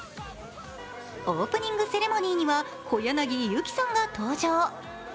オープニングセレモニーには小柳ゆきさんが登場。